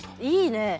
いいね。